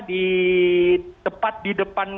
di tepat di depan